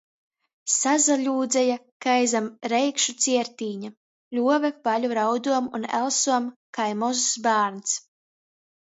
Sasaļūdzeja kai zam reikšu ciertīņa, ļuove vaļu raudom un elsom kai mozs bārns.